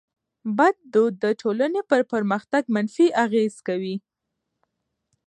بد دود د ټټولني پر پرمختګ منفي اغېز کوي.